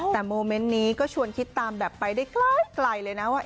แต่โมเมนต์นี้ก็ชวนคิดตามแบบไปได้ไกลเลยนะว่า